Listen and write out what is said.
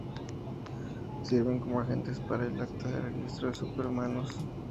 Sirven como agentes para el "Acta de registro de Super Humanos".